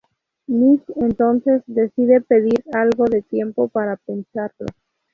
Nick entonces decide pedir algo de tiempo para pensarlo.